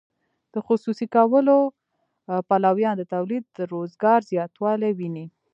د خصوصي کولو پلویان د تولید او روزګار زیاتوالی ویني.